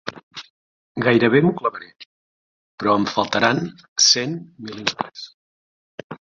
Gairebé m'ho clavaré, però em faltaran cent mil·límetres.